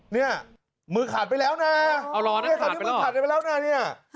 เนี่ยมือขาดไปแล้วนะเอาล่ะมือขาดไปแล้วนะเนี่ย